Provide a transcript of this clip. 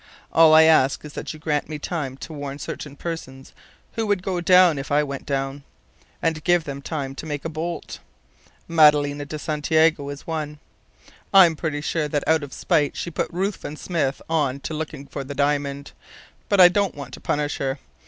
All I ask is that you grant me time to warn certain persons who would go down if I went down, and give them time to make a bolt. Madalena de Santiago is one. I'm pretty sure that out of spite she put Ruthven Smith on to looking for the diamond, but I don't want to punish her.